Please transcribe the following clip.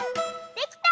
できた！